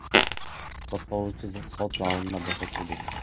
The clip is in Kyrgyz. Соттолуучу сот залында бошотулду.